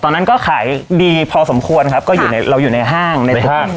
ตอนนั้นก็ขายดีพอสมควรครับก็อยู่ในเราอยู่ในห้างในห้าง